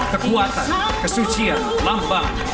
kekuatan kesucian lambang